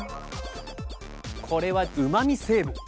これは、うまみ成分。